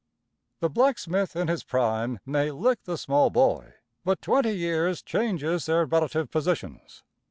The blacksmith in his prime may lick the small boy, but twenty years changes their relative positions.